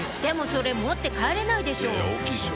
それ持って帰れないでしょう